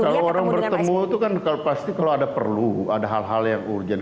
kalau orang bertemu itu kan pasti kalau ada perlu ada hal hal yang urgent